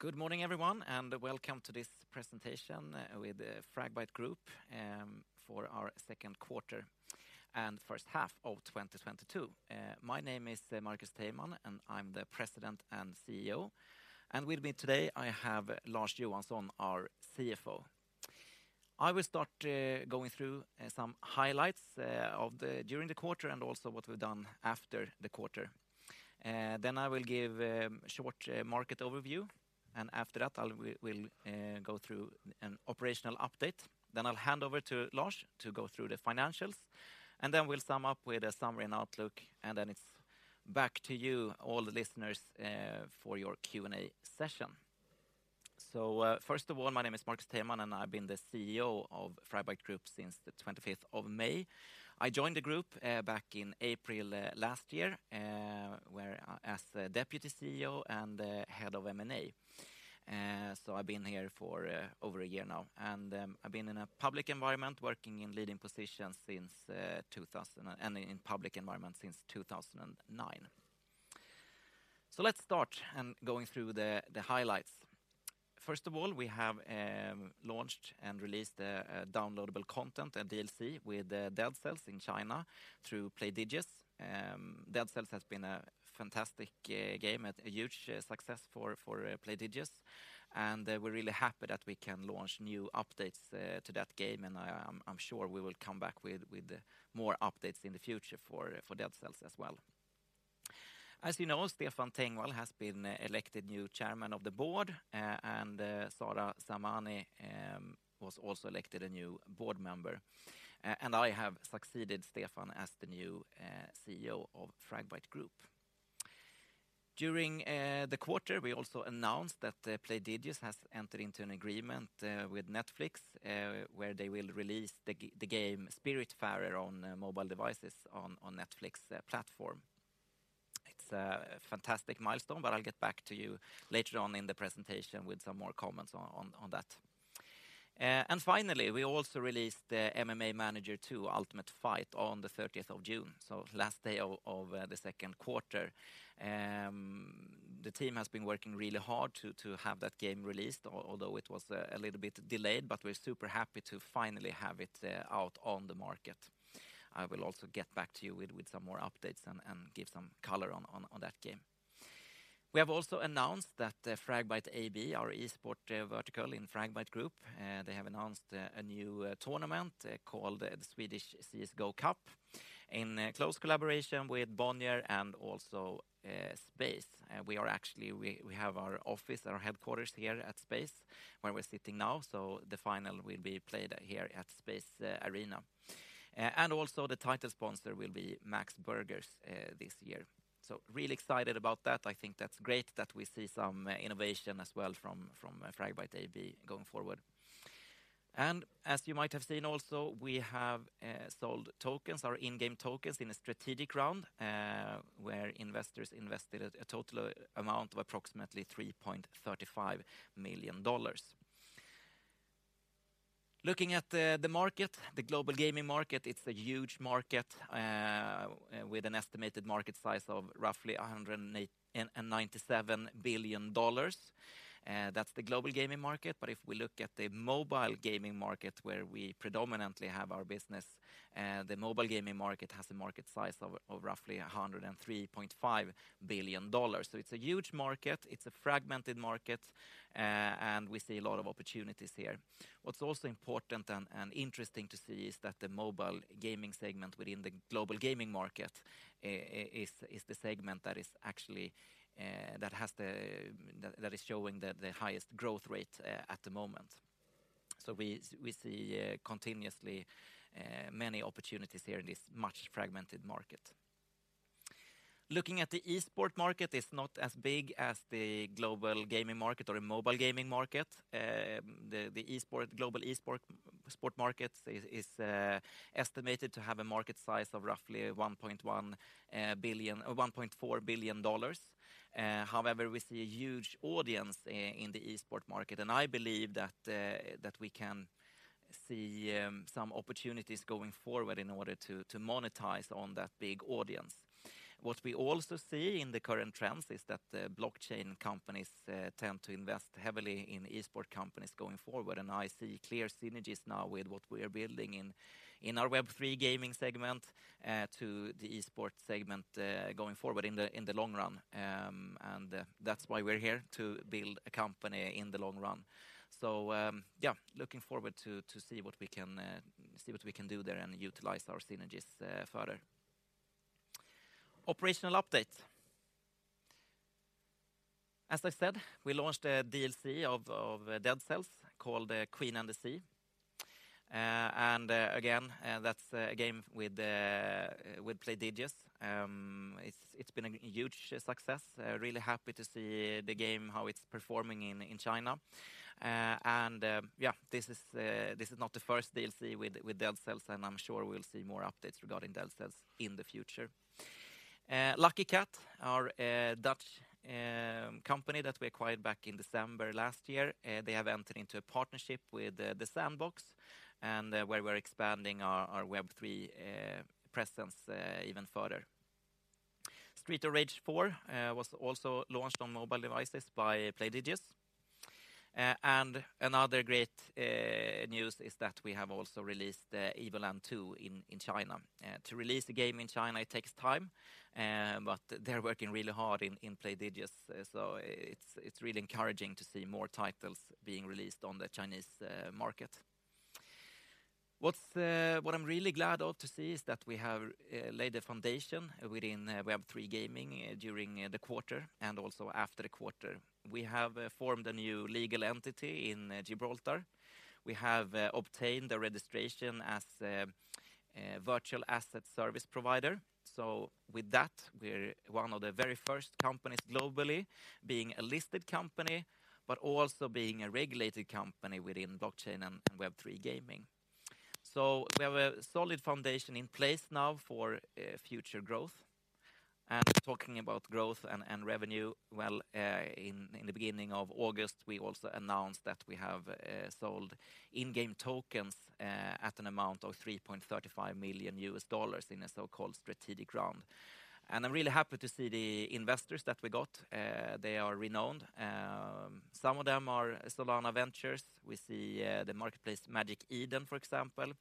Good morning everyone, and welcome to this presentation with Fragbite Group for our second quarter and first half of 2022. My name is Marcus Teilman, and I'm the President and CEO. With me today I have Lars Johansson, our CFO. I will start going through some highlights during the quarter and also what we've done after the quarter. I will give short market overview, and after that we'll go through an operational update. I'll hand over to Lars to go through the financials, and then we'll sum up with a summary and outlook, and then it's back to you, all the listeners, for your Q&A session. First of all, my name is Marcus Teilman, and I've been the CEO of Fragbite Group since the 25th of May. I joined the group back in April last year as Deputy CEO and head of M&A. I've been here for over a year now, and I've been in a public environment working in leading positions since 2009. Let's start and going through the highlights. First of all, we have launched and released a downloadable content, a DLC, with Dead Cells in China through Playdigious. Dead Cells has been a fantastic game, a huge success for Playdigious, and we're really happy that we can launch new updates to that game, and I'm sure we will come back with more updates in the future for Dead Cells as well. As you know, Stefan Tengvall has been elected new Chairman of the Board, and Zara Zamani was also elected a new board member. I have succeeded Stefan as the new CEO of Fragbite Group. During the quarter, we also announced that Playdigious has entered into an agreement with Netflix, where they will release the game Spiritfarer on mobile devices on Netflix's platform. It's a fantastic milestone, but I'll get back to you later on in the presentation with some more comments on that. Finally, we also released the MMA Manager 2: Ultimate Fight on the thirtieth of June, so last day of the second quarter. The team has been working really hard to have that game released, although it was a little bit delayed, but we're super happy to finally have it out on the market. I will also get back to you with some more updates and give some color on that game. We have also announced that Fragbite AB, our esports vertical in Fragbite Group, they have announced a new tournament called the Swedish CS:GO Cup in close collaboration with Bonnier and also Space. We actually have our office, our headquarters here at Space where we're sitting now, so the final will be played here at Space Arena. The title sponsor will be Max Burgers this year. Really excited about that. I think that's great that we see some innovation as well from Fragbite AB going forward. As you might have seen also, we have sold tokens, our in-game tokens, in a strategic round, where investors invested a total amount of approximately $3.35 million. Looking at the market, the global gaming market, it's a huge market with an estimated market size of roughly $197 billion. That's the global gaming market. If we look at the mobile gaming market, where we predominantly have our business, the mobile gaming market has a market size of roughly $103.5 billion. It's a huge market. It's a fragmented market, and we see a lot of opportunities here. What's also important and interesting to see is that the mobile gaming segment within the global gaming market is the segment that is actually that is showing the highest growth rate at the moment. We see continuously many opportunities here in this much fragmented market. Looking at the esports market, it's not as big as the global gaming market or the mobile gaming market. The global esports market is estimated to have a market size of roughly $1.4 billion. However, we see a huge audience in the esports market, and I believe that we can see some opportunities going forward in order to monetize on that big audience. What we also see in the current trends is that blockchain companies tend to invest heavily in esports companies going forward, and I see clear synergies now with what we are building in our Web3 gaming segment to the esports segment going forward in the long run. That's why we're here, to build a company in the long run. Yeah, looking forward to see what we can do there and utilize our synergies further. Operational update. As I said, we launched a DLC of Dead Cells called The Queen and the Sea. Again, that's a game with Playdigious. It's been a huge success. Really happy to see the game, how it's performing in China. This is not the first DLC with Dead Cells, and I'm sure we'll see more updates regarding Dead Cells in the future. Lucky Kat, our Dutch company that we acquired back in December last year, they have entered into a partnership with The Sandbox, where we're expanding our Web3 presence even further. Streets of Rage 4 was also launched on mobile devices by Playdigious. Another great news is that we have also released Evoland 2 in China. To release the game in China, it takes time, but they're working really hard in Playdigious. It's really encouraging to see more titles being released on the Chinese market. What I'm really glad of to see is that we have laid a foundation within Web3 gaming during the quarter and also after the quarter. We have formed a new legal entity in Gibraltar. We have obtained a registration as a Virtual Assets Service Provider. With that, we're one of the very first companies globally being a listed company, but also being a regulated company within blockchain and Web3 gaming. We have a solid foundation in place now for future growth. Talking about growth and revenue, well, in the beginning of August, we also announced that we have sold in-game tokens at an amount of $3.35 million in a so-called strategic round. I'm really happy to see the investors that we got. They are renowned. Some of them are Solana Ventures. We see the marketplace Magic Eden, for example.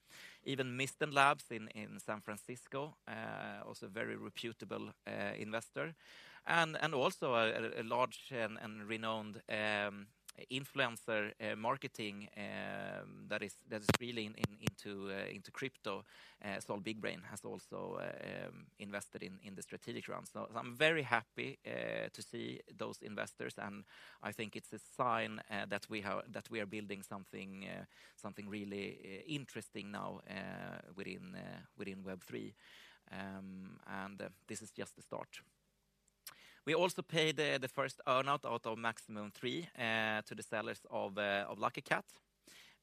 Even Mysten Labs in San Francisco, also a very reputable investor, and also a large and renowned influencer marketing that is really into crypto. Sol Big Brain has also invested in the strategic round. I'm very happy to see those investors, and I think it's a sign that we are building something really interesting now within Web3. This is just the start. We also paid the first earn-out out of maximum three to the sellers of Lucky Kat,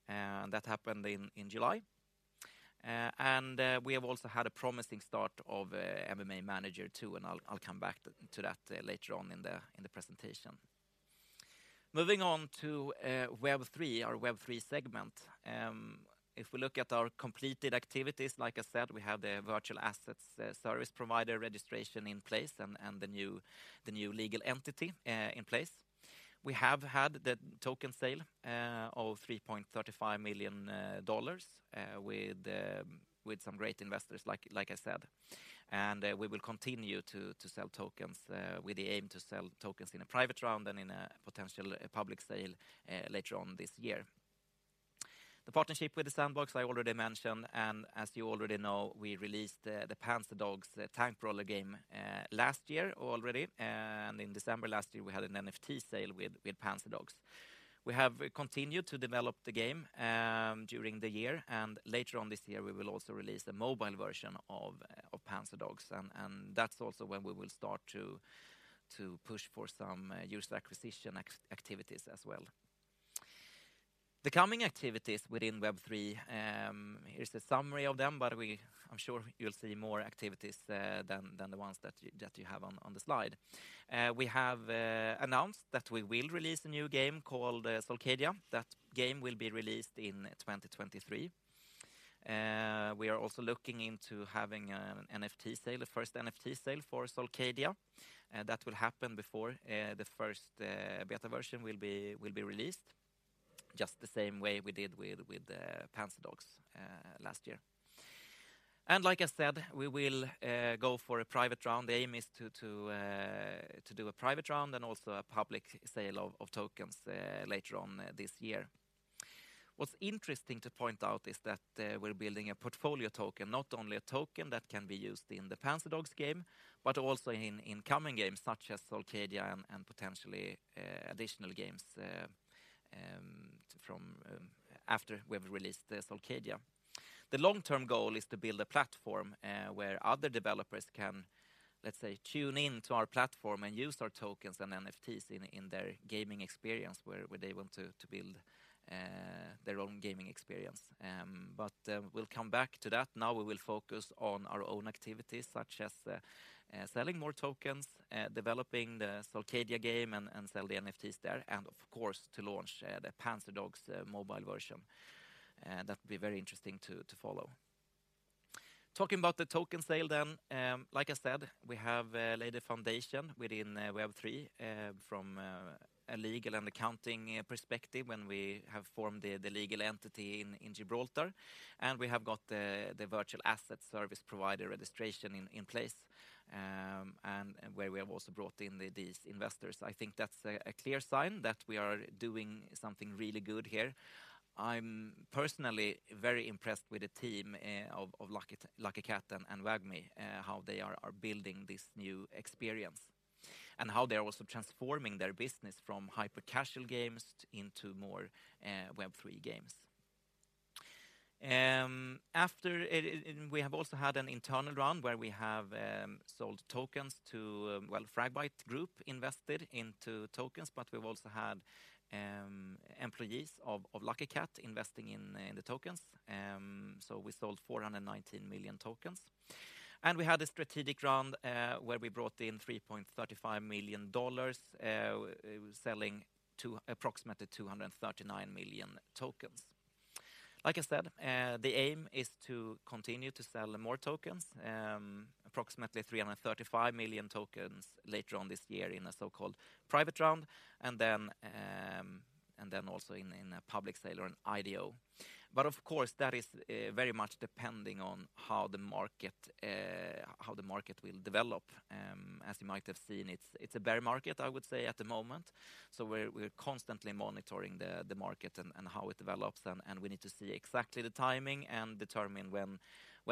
and that happened in July. We have also had a promising start of MMA Manager 2, and I'll come back to that later on in the presentation. Moving on to Web3, our Web3 segment. If we look at our completed activities, like I said, we have the Virtual Assets Service Provider registration in place and the new legal entity in place. We have had the token sale of $3.35 million with some great investors, like I said. We will continue to sell tokens with the aim to sell tokens in a private round and in a potential public sale later on this year. The partnership with The Sandbox, I already mentioned, and as you already know, we released the Panzerdogs tank brawler game last year already. In December last year, we had an NFT sale with Panzerdogs. We have continued to develop the game during the year, and later on this year we will also release a mobile version of Panzerdogs and that's also when we will start to push for some user acquisition activities as well. The coming activities within Web3, here's the summary of them, but I'm sure you'll see more activities than the ones that you have on the slide. We have announced that we will release a new game called Cosmocadia. That game will be released in 2023. We are also looking into having an NFT sale, the first NFT sale for Cosmocadia. That will happen before the first beta version will be released, just the same way we did with Panzerdogs last year. Like I said, we will go for a private round. The aim is to do a private round and also a public sale of tokens later on this year. What's interesting to point out is that, we're building a portfolio token, not only a token that can be used in the Panzerdogs game, but also in coming games such as Cosmocadia and potentially additional games from after we've released the Cosmocadia. The long-term goal is to build a platform where other developers can, let's say, tune in to our platform and use our tokens and NFTs in their gaming experience where they want to build their own gaming experience. We'll come back to that. Now we will focus on our own activities, such as selling more tokens, developing the Cosmocadia game and sell the NFTs there, and of course, to launch the Panzerdogs mobile version. That will be very interesting to follow. Talking about the token sale, like I said, we have laid a foundation within Web3 from a legal and accounting perspective when we have formed the legal entity in Gibraltar, and we have got the Virtual Assets Service Provider registration in place, and where we have also brought in these investors. I think that's a clear sign that we are doing something really good here. I'm personally very impressed with the team of Lucky Kat and WAGMI, how they are building this new experience and how they are also transforming their business from hyper-casual games into more Web3 games. We have also had an internal round where we have sold tokens to, well, Fragbite Group invested into tokens, but we've also had employees of Lucky Kat investing in the tokens. We sold 419 million tokens. We had a strategic round where we brought in $3.35 million, selling approximately 239 million tokens. Like I said, the aim is to continue to sell more tokens, approximately 335 million tokens later on this year in a so-called private round, and then also in a public sale or an IDO. Of course, that is very much depending on how the market will develop. As you might have seen, it's a bear market, I would say, at the moment. We're constantly monitoring the market and how it develops, and we need to see exactly the timing and determine when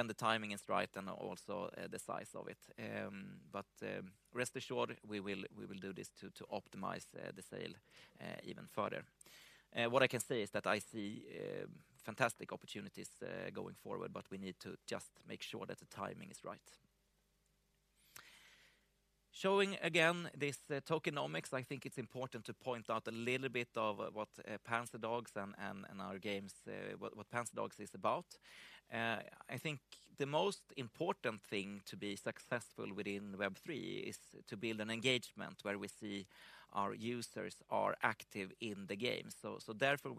the timing is right and also the size of it. Rest assured, we will do this to optimize the sale even further. What I can say is that I see fantastic opportunities going forward, but we need to just make sure that the timing is right. Showing again this tokenomics, I think it's important to point out a little bit of what Panzerdogs and our games, what Panzerdogs is about. I think the most important thing to be successful within Web3 is to build an engagement where we see our users are active in the game. Therefore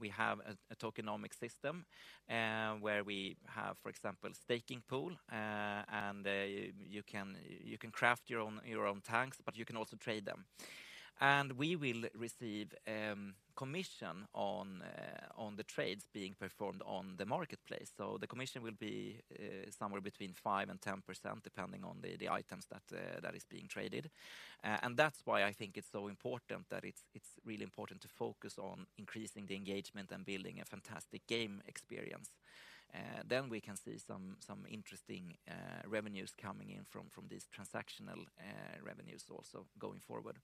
we have a tokenomics system, where we have, for example, staking pool, and you can craft your own tanks, but you can also trade them. We will receive commission on the trades being performed on the marketplace. The commission will be somewhere between 5%-10% depending on the items that is being traded. And that's why I think it's so important that it's really important to focus on increasing the engagement and building a fantastic game experience. We can see some interesting revenues coming in from these transactional revenues also going forward.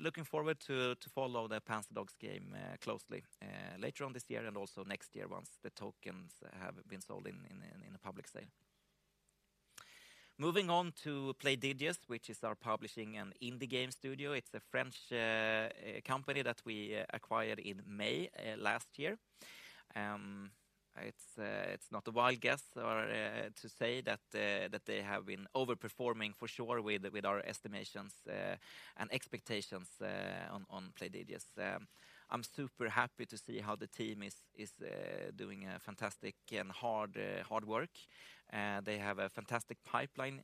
Looking forward to follow the Panzerdogs game closely later on this year and also next year once the tokens have been sold in a public sale. Moving on to Playdigious, which is our publishing and indie game studio. It's a French company that we acquired in May last year. It's not a wild guess or to say that they have been over-performing for sure with our estimations and expectations on Playdigious. I'm super happy to see how the team is doing a fantastic and hard work. They have a fantastic pipeline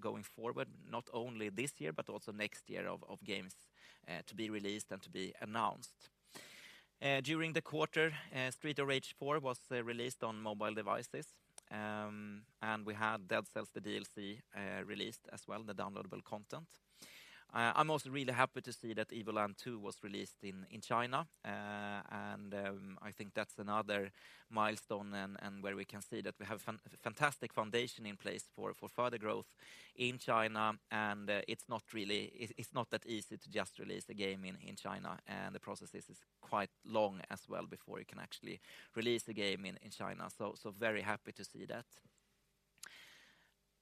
going forward, not only this year, but also next year of games to be released and to be announced. During the quarter, Streets of Rage 4 was released on mobile devices, and we had Dead Cells, the DLC, released as well, the downloadable content. I'm also really happy to see that Evoland 2 was released in China. I think that's another milestone and where we can see that we have fantastic foundation in place for further growth in China, and it's not that easy to just release a game in China, and the process is quite long as well before you can actually release the game in China. Very happy to see that.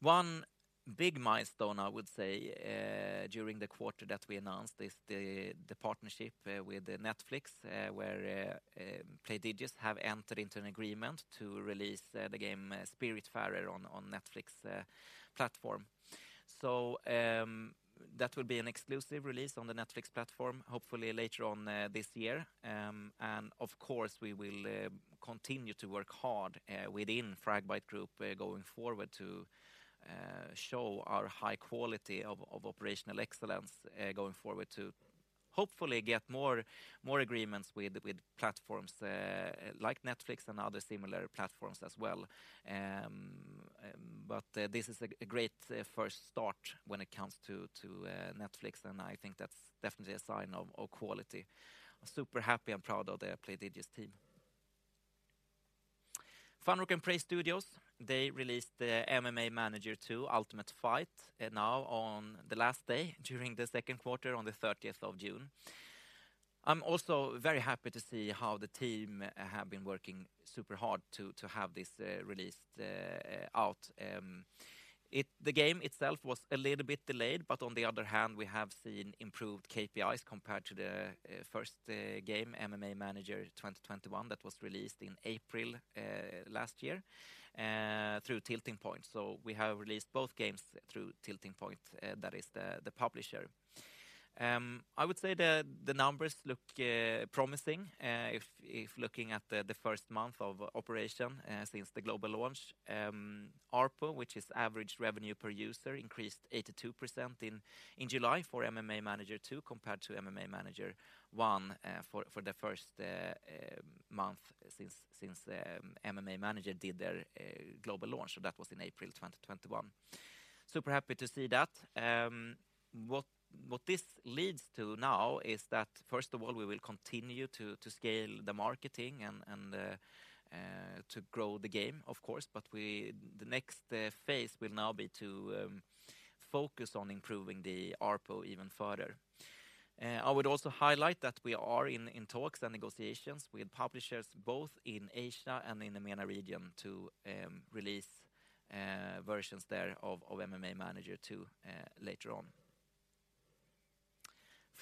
One big milestone, I would say, during the quarter that we announced is the partnership with Netflix, where Playdigious have entered into an agreement to release the game Spiritfarer on Netflix platform. That will be an exclusive release on the Netflix platform, hopefully later on this year. Of course, we will continue to work hard within Fragbite Group going forward to show our high quality of operational excellence going forward to hopefully get more agreements with platforms like Netflix and other similar platforms as well. This is a great first start when it comes to Netflix, and I think that's definitely a sign of quality. I'm super happy and proud of the Playdigious team. FunRock & Prey Studios, they released the MMA Manager 2: Ultimate Fight now on the last day during the second quarter on the thirtieth of June. I'm also very happy to see how the team have been working super hard to have this released out. The game itself was a little bit delayed, but on the other hand, we have seen improved KPIs compared to the first game, MMA Manager 2021, that was released in April last year through Tilting Point. We have released both games through Tilting Point, that is the publisher. I would say the numbers look promising if looking at the first month of operation since the global launch. ARPU, which is average revenue per user, increased 82% in July for MMA Manager 2 compared to MMA Manager 1, for the first month since MMA Manager did their global launch, so that was in April 2021. Super happy to see that. What this leads to now is that first of all, we will continue to scale the marketing and to grow the game, of course, but the next phase will now be to focus on improving the ARPU even further. I would also highlight that we are in talks and negotiations with publishers both in Asia and in the MENA region to release versions there of MMA Manager 2 later on.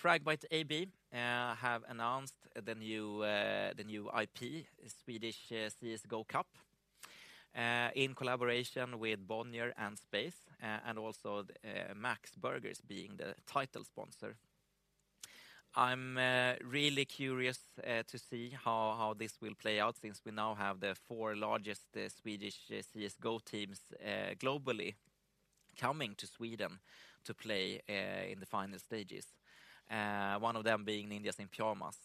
Fragbite AB have announced the new IP, Swedish CS:GO Cup, in collaboration with Bonnier and Space, and also the Max Burgers being the title sponsor. I'm really curious to see how this will play out since we now have the four largest Swedish CS:GO teams globally coming to Sweden to play in the final stages. One of them being Ninjas in Pyjamas.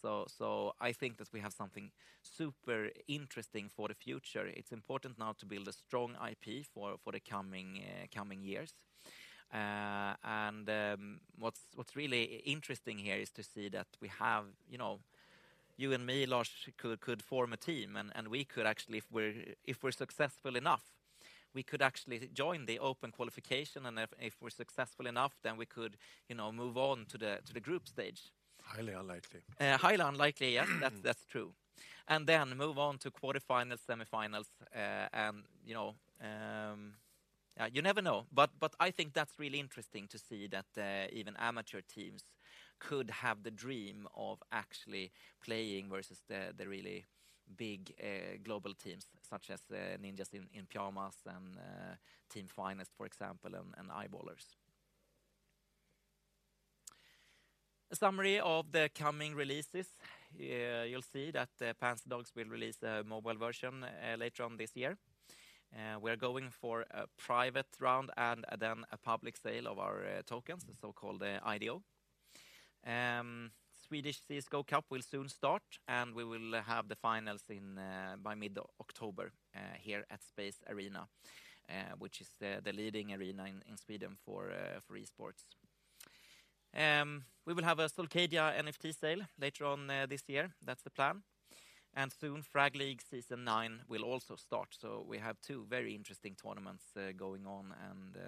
I think that we have something super interesting for the future. It's important now to build a strong IP for the coming years. What's really interesting here is to see that we have, you know, you and me, Lars, could form a team and we could actually, if we're successful enough, we could actually join the open qualification, and if we're successful enough, then we could, you know, move on to the group stage. Highly unlikely. Highly unlikely, yes, that's true. Then move on to quarterfinals, semifinals, and, you know, you never know. I think that's really interesting to see that even amateur teams could have the dream of actually playing versus the really big global teams such as Ninjas in Pyjamas and Team Finest, for example, and Eyeballers. A summary of the coming releases. You'll see that Panzerdogs will release a mobile version later on this year. We're going for a private round and then a public sale of our tokens, the so-called IDO. Swedish CS:GO Cup will soon start, and we will have the finals in by mid-October here at Space, which is the leading arena in Sweden for esports. We will have a Cosmocadia NFT sale later on this year. That's the plan. Soon, Fragleague Season 9 will also start. We have two very interesting tournaments going on and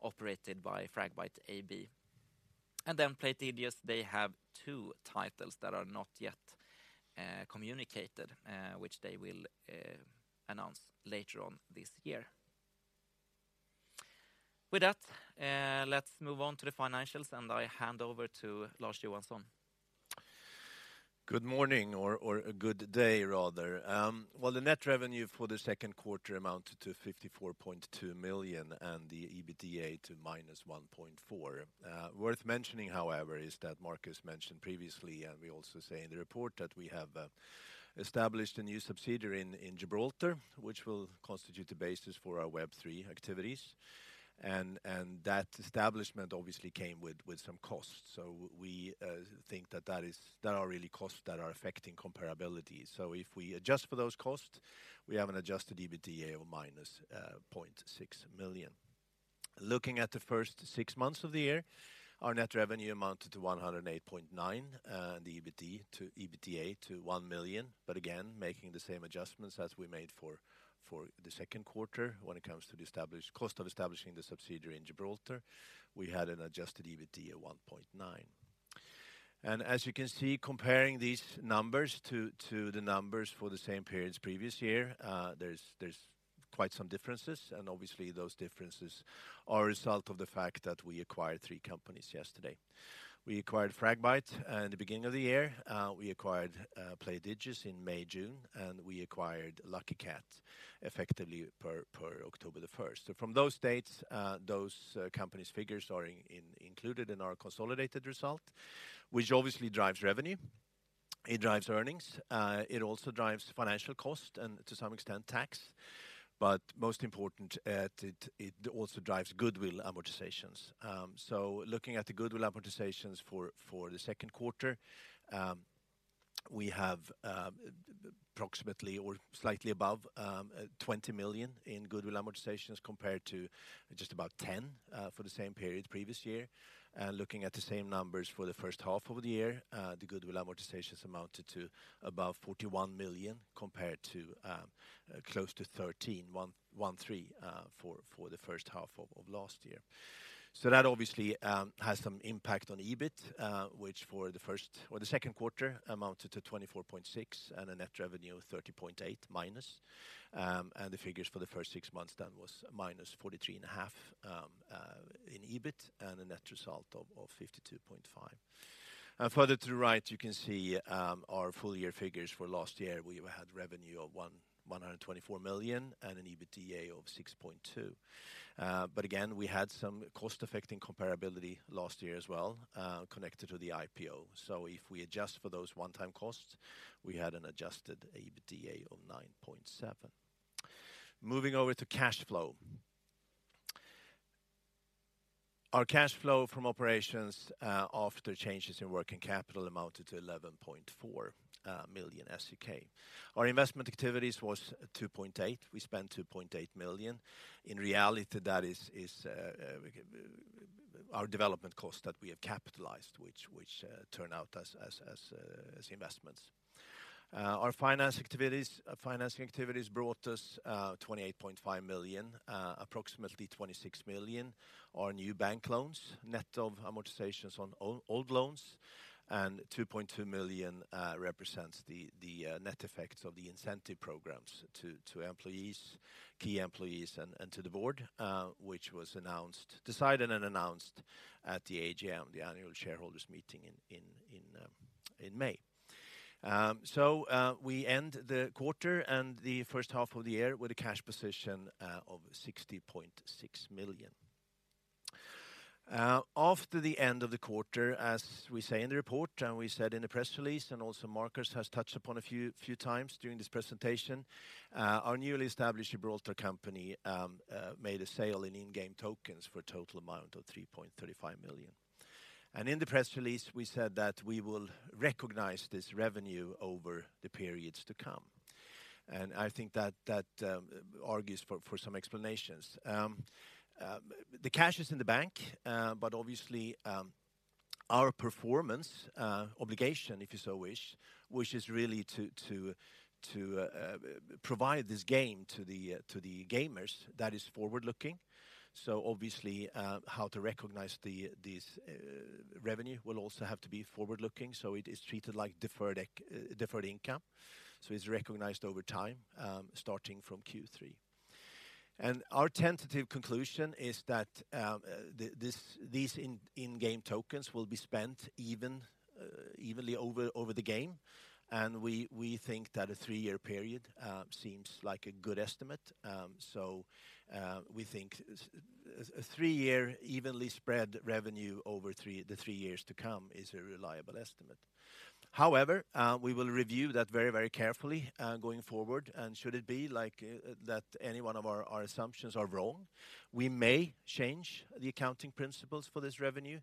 operated by Fragbite AB. Then Playdigious, they have two titles that are not yet communicated, which they will announce later on this year. With that, let's move on to the financials, and I hand over to Lars Johansson. Good morning, or good day rather. Well, the net revenue for the second quarter amounted to 54.2 million and the EBITDA to -1.4 million. Worth mentioning, however, is that Marcus mentioned previously, and we also say in the report that we have established a new subsidiary in Gibraltar, which will constitute the basis for our Web3 activities. That establishment obviously came with some costs. We think there are really costs that are affecting comparability. If we adjust for those costs, we have an adjusted EBITDA of -0.6 million. Looking at the first six months of the year, our net revenue amounted to 108.9 million, and the EBITDA to 1 million, but again, making the same adjustments as we made for the second quarter when it comes to the cost of establishing the subsidiary in Gibraltar, we had an adjusted EBITDA of 1.9 million. As you can see, comparing these numbers to the numbers for the same period previous year, there's quite some differences, and obviously those differences are a result of the fact that we acquired three companies yesterday. We acquired Fragbite in the beginning of the year. We acquired Playdigious in May, June, and we acquired Lucky Kat effectively per October 1. From those dates, those companies' figures are included in our consolidated result, which obviously drives revenue, it drives earnings, it also drives financial cost and to some extent tax, but most important, it also drives goodwill amortizations. Looking at the goodwill amortizations for the second quarter, we have approximately or slightly above 20 million in goodwill amortizations compared to just about 10 million for the same period previous year. Looking at the same numbers for the first half of the year, the goodwill amortizations amounted to above 41 million compared to close to 13 million for the first half of last year. That obviously has some impact on EBIT, which for the first or the second quarter amounted to -24.6 and a net revenue of -30.8. The figures for the first six months then was -43.5 in EBIT and a net result of -52.5. Further to the right, you can see our full year figures for last year. We had revenue of 124 million and an EBITDA of 6.2. But again, we had some cost affecting comparability last year as well, connected to the IPO. If we adjust for those one-time costs, we had an adjusted EBITDA of 9.7. Moving over to cash flow. Our cash flow from operations, after changes in working capital amounted to 11.4 million. Our investment activities was, we spent 2.8 million. In reality, that is our development cost that we have capitalized, which turn out as investments. Financing activities brought us 28.5 million, approximately 26 million are new bank loans, net of amortizations on old loans, and 2.2 million represents the net effects of the incentive programs to employees, key employees and to the board, which was decided and announced at the AGM, the annual shareholders meeting in May. We end the quarter and the first half of the year with a cash position of 60.6 million. After the end of the quarter, as we say in the report and we said in the press release, and also Marcus has touched upon a few times during this presentation, our newly established Gibraltar company made a sale of in-game tokens for a total amount of $3.35 million. In the press release, we said that we will recognize this revenue over the periods to come. I think that argues for some explanations. The cash is in the bank, but obviously, our performance obligation, if you so wish, which is really to provide this game to the gamers that is forward-looking. Obviously, how to recognize this revenue will also have to be forward-looking, so it is treated like deferred income, so it's recognized over time, starting from Q3. Our tentative conclusion is that these in-game tokens will be spent evenly over the game, and we think that a three-year period seems like a good estimate. We think a three-year evenly spread revenue over the three years to come is a reliable estimate. However, we will review that very, very carefully going forward, and should it be like that any one of our assumptions are wrong, we may change the accounting principles for this revenue.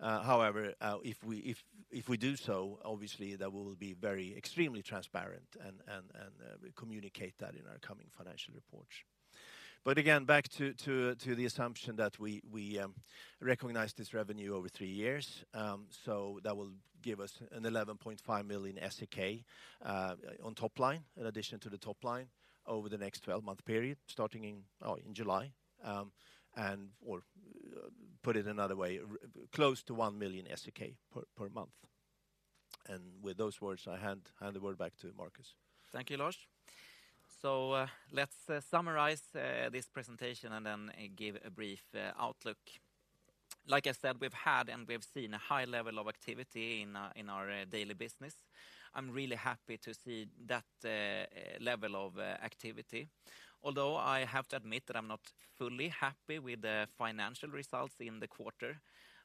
However, if we do so, obviously that will be very extremely transparent and we communicate that in our coming financial reports. Again, back to the assumption that we recognize this revenue over 3 years, so that will give us 11.5 million SEK on top line, in addition to the top line over the next 12-month period, starting in July, or put it another way, close to 1 million per month. With those words, I hand the word back to Marcus. Thank you, Lars. Let's summarize this presentation and then give a brief outlook. Like I said, we've had and we've seen a high level of activity in our daily business. I'm really happy to see that level of activity, although I have to admit that I'm not fully happy with the financial results in the quarter,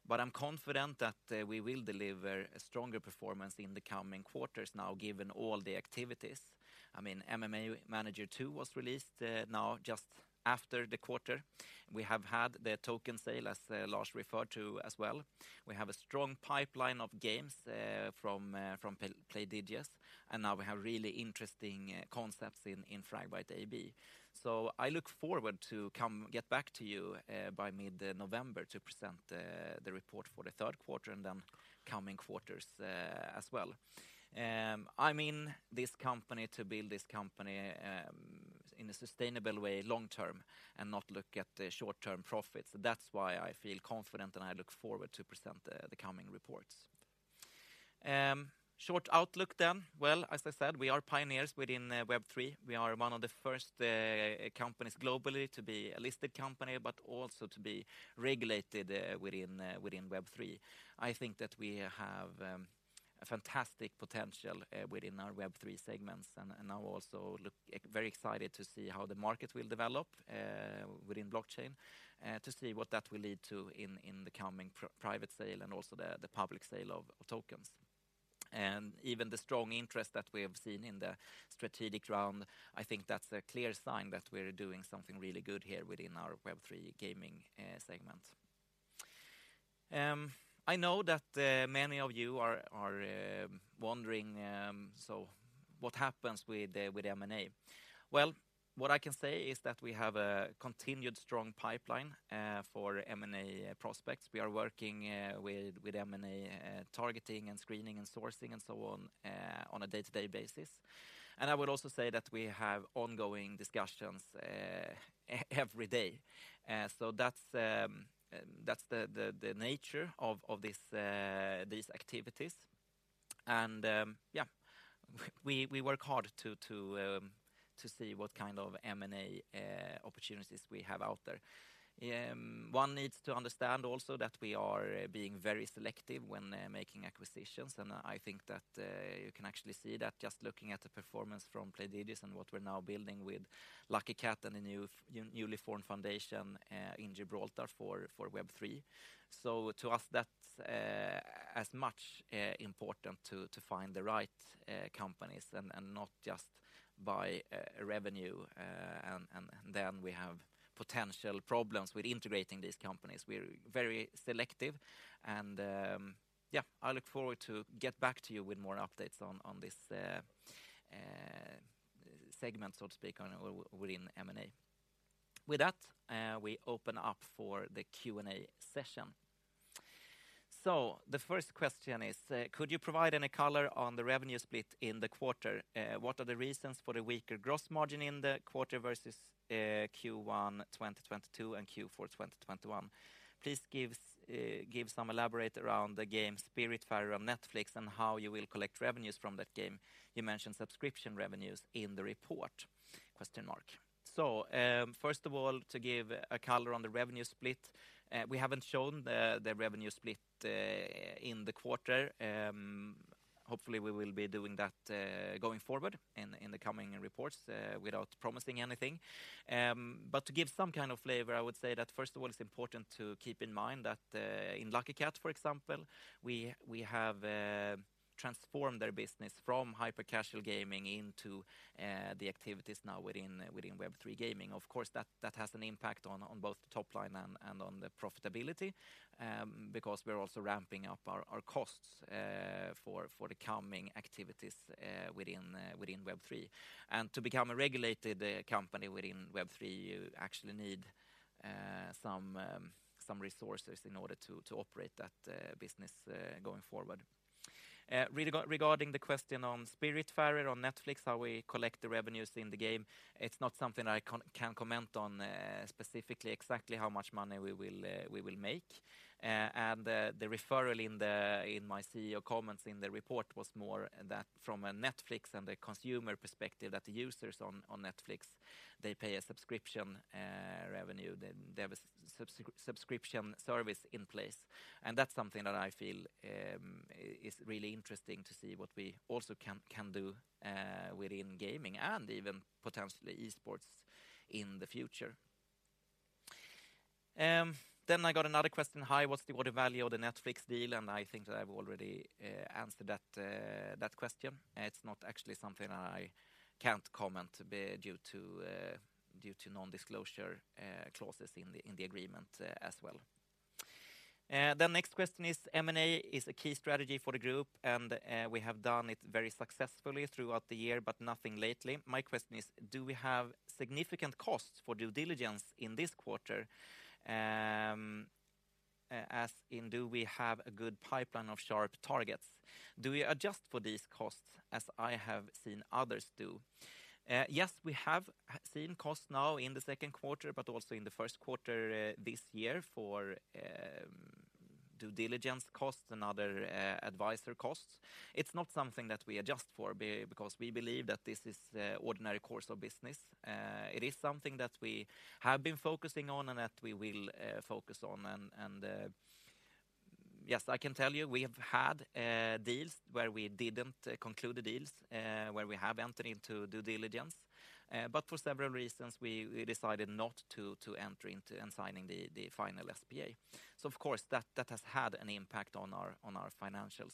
but I'm confident that we will deliver a stronger performance in the coming quarters now, given all the activities. I mean, MMA Manager 2 was released now just after the quarter. We have had the token sale, as Lars referred to as well. We have a strong pipeline of games from Playdigious, and now we have really interesting concepts in Fragbite AB. I look forward to get back to you by mid-November to present the report for the third quarter and then coming quarters as well. I'm in this company to build this company in a sustainable way long term and not look at the short-term profits. That's why I feel confident, and I look forward to present the coming reports. Short outlook then. As I said, we are pioneers within Web3. We are one of the first companies globally to be a listed company, but also to be regulated within Web3. I think that we have a fantastic potential within our Web3 segments and now also very excited to see how the market will develop within blockchain to see what that will lead to in the coming private sale and also the public sale of tokens. Even the strong interest that we have seen in the strategic round, I think that's a clear sign that we're doing something really good here within our Web3 gaming segment. I know that many of you are wondering, so what happens with M&A. Well, what I can say is that we have a continued strong pipeline for M&A prospects. We are working with M&A targeting and screening and sourcing and so on on a day-to-day basis. I would also say that we have ongoing discussions every day. That's the nature of these activities. We work hard to see what kind of M&A opportunities we have out there. One needs to understand also that we are being very selective when making acquisitions, and I think that you can actually see that just looking at the performance from Playdigious and what we're now building with Lucky Kat and the newly formed foundation in Gibraltar for Web3. To us, that's as much important to find the right companies and not just buy revenue and then we have potential problems with integrating these companies. We're very selective and, yeah, I look forward to get back to you with more updates on this segment, so to speak, within M&A. With that, we open up for the Q&A session. The first question is, could you provide any color on the revenue split in the quarter? What are the reasons for the weaker gross margin in the quarter versus Q1 2022 and Q4 2021? Please give some elaboration around the game Spiritfarer on Netflix and how you will collect revenues from that game. You mentioned subscription revenues in the report. First of all, to give a color on the revenue split, we haven't shown the revenue split in the quarter. Hopefully we will be doing that going forward in the coming reports without promising anything. To give some kind of flavor, I would say that first of all, it's important to keep in mind that in Lucky Kat, for example, we have transformed their business from hyper-casual gaming into the activities now within Web3 gaming. Of course, that has an impact on both the top line and on the profitability, because we're also ramping up our costs for the coming activities within Web3. To become a regulated company within Web3, you actually need some resources in order to operate that business going forward. Regarding the question on Spiritfarer on Netflix, how we collect the revenues in the game, it's not something I can comment on specifically exactly how much money we will make. The referral in my CEO comments in the report was more that from a Netflix and a consumer perspective, that the users on Netflix, they pay a subscription revenue. They have a subscription service in place. That's something that I feel is really interesting to see what we also can do within gaming and even potentially e-sports in the future. I got another question, what's the value of the Netflix deal? I think that I've already answered that question. It's not actually something I can't comment due to non-disclosure clauses in the agreement as well. The next question is M&A is a key strategy for the group, and we have done it very successfully throughout the year, but nothing lately. My question is, do we have significant costs for due diligence in this quarter? As in, do we have a good pipeline of sharp targets? Do we adjust for these costs as I have seen others do? Yes, we have seen costs now in the second quarter, but also in the first quarter this year for due diligence costs and other advisor costs. It's not something that we adjust for because we believe that this is ordinary course of business. It is something that we have been focusing on and that we will focus on and yes, I can tell you we have had deals where we didn't conclude the deals where we have entered into due diligence. But for several reasons, we decided not to enter into and signing the final SPA. Of course, that has had an impact on our financials.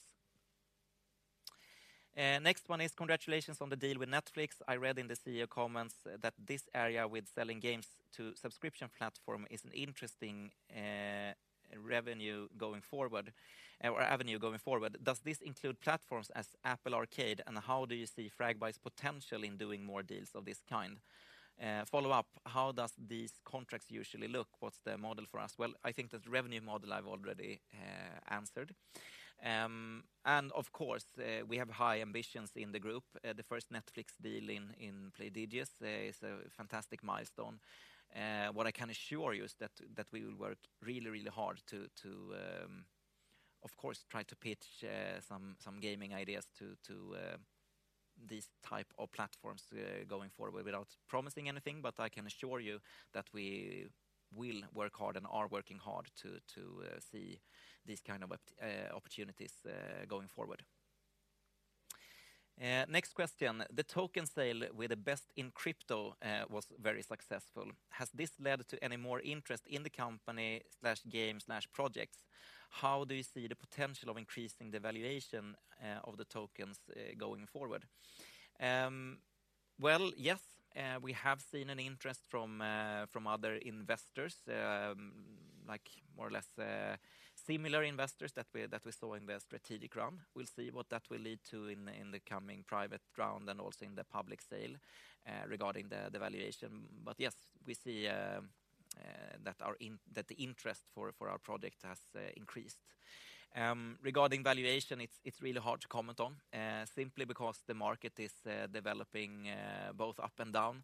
Next one is congratulations on the deal with Netflix. I read in the CEO comments that this area with selling games to subscription platform is an interesting revenue going forward or avenue going forward. Does this include platforms as Apple Arcade, and how do you see Fragbite's potential in doing more deals of this kind? Follow-up, how does these contracts usually look? What's the model for us? Well, I think that revenue model I've already answered. Of course, we have high ambitions in the group. The first Netflix deal in Playdigious is a fantastic milestone. What I can assure you is that we will work really hard to of course try to pitch some gaming ideas to these type of platforms going forward without promising anything. I can assure you that we will work hard and are working hard to see these kind of opportunities going forward. Next question. The token sale with the best in crypto was very successful. Has this led to any more interest in the company/game/projects? How do you see the potential of increasing the valuation of the tokens going forward? Well, yes, we have seen an interest from other investors like more or less similar investors that we saw in the strategic round. We'll see what that will lead to in the coming private round and also in the public sale regarding the valuation. Yes, we see that the interest for our project has increased. Regarding valuation, it's really hard to comment on simply because the market is developing both up and down.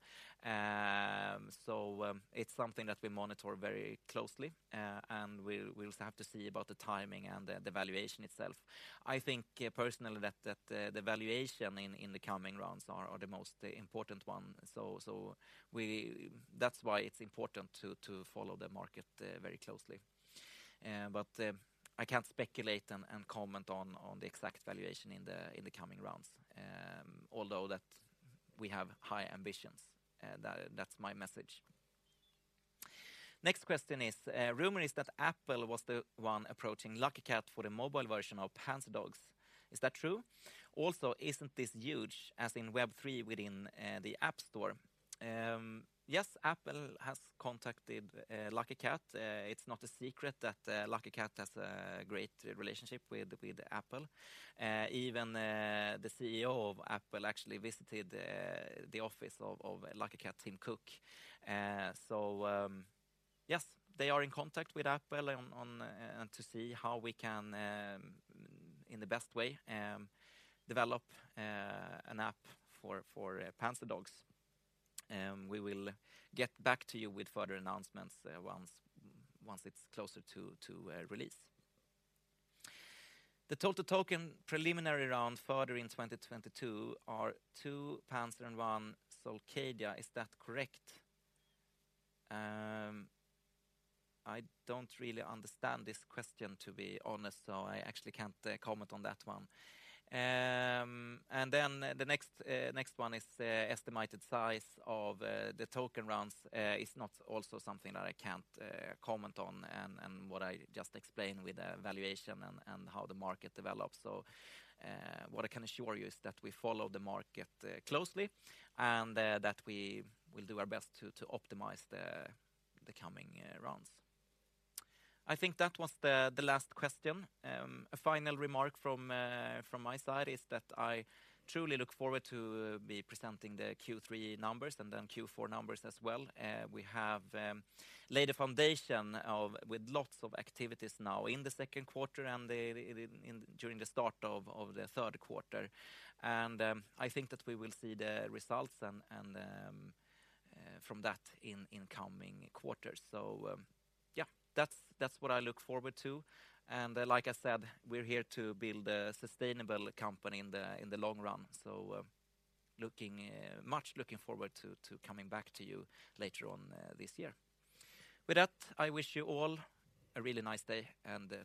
It's something that we monitor very closely, and we'll have to see about the timing and the valuation itself. I think personally that the valuation in the coming rounds are the most important one. That's why it's important to follow the market very closely. I can't speculate and comment on the exact valuation in the coming rounds, although that we have high ambitions. That's my message. Next question is, rumor is that Apple was the one approaching Lucky Kat for the mobile version of Panzerdogs. Is that true? Also, isn't this huge as in Web3 within the App Store? Yes, Apple has contacted Lucky Kat. It's not a secret that Lucky Kat has a great relationship with Apple. Even the CEO of Apple actually visited the office of Lucky Kat, Tim Cook. Yes, they are in contact with Apple on and to see how we can in the best way develop an app for Panzerdogs. We will get back to you with further announcements once it's closer to release. The total token preliminary round further in 2022 are two Panzerdogs and one Cosmocadia. Is that correct? I don't really understand this question, to be honest, so I actually can't comment on that one. Then the next one is the estimated size of the token rounds is not also something that I can't comment on and what I just explained with the valuation and how the market develops. What I can assure you is that we follow the market closely and that we will do our best to optimize the coming rounds. I think that was the last question. A final remark from my side is that I truly look forward to be presenting the Q3 numbers and then Q4 numbers as well. We have laid a foundation with lots of activities now in the second quarter and during the start of the third quarter. I think that we will see the results and from that in coming quarters. Yeah, that's what I look forward to. Like I said, we're here to build a sustainable company in the long run. Looking forward to coming back to you later on this year. With that, I wish you all a really nice day and